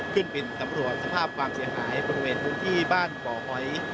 ขึ้นบินสำรวจสภาพความเสียหายบริเวณพื้นที่บ้านบ่อหอย